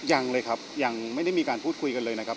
ยังเลยครับยังไม่ได้มีการพูดคุยกันเลยนะครับ